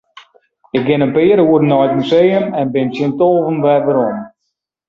Ik gean in pear oeren nei it museum en bin tsjin tolven wer werom.